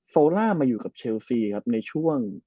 โซลาร์มาอยู่กับเชลสีในช่วง